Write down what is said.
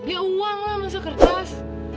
ya uang lah masuk kertas